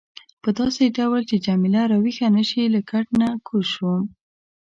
په داسې ډول چې جميله راویښه نه شي له کټ نه کوز شوم.